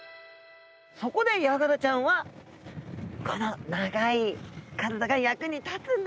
そこでヤガラちゃんはこの長い体が役に立つんですね。